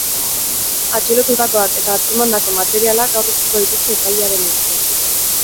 Atxilotutakoak eta atzemandako materiala gaur utziko dituzte epailearen esku.